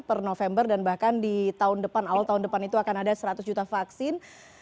per november dan bahkan di tahun depan awal tahun depan itu akan ada seratus juta vaksin